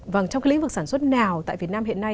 vâng trong cái lĩnh vực sản xuất nào tại việt nam hiện nay